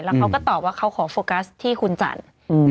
แล้วเขาก็ตอบว่าเขาขอโฟกัสที่คุณจันทร์